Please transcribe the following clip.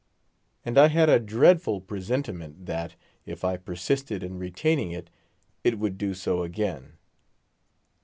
And I had a dreadful presentiment that, if I persisted in retaining it, it would do so again.